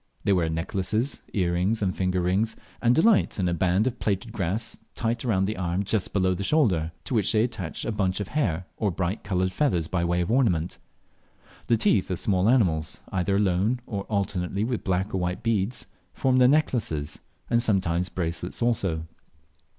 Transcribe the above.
They wear necklaces, earrings, and finger rings, and delight in a band of plaited grass tight round the arm just below the shoulder, to which they attach a bunch of hair or bright coloured feathers by way of ornament. The teeth of small animals, either alone, or alternately with black or white beads, form their necklaces, and sometimes bracelets also.